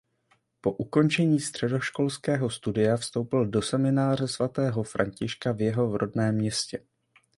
Po ukončení středoškolského studia vstoupil do "Semináře Svatého Františka" v jeho rodném městě.